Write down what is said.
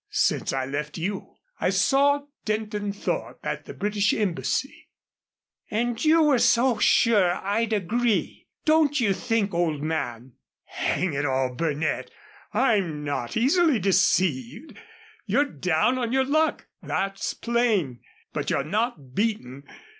"Since I left you. I saw Denton Thorpe at the British embassy." "And you were so sure I'd agree! Don't you think, old man " "Hang it all, Burnett! I'm not easily deceived. You're down on your luck; that's plain. But you're not beaten.